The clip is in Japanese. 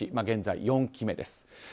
現在４期目です。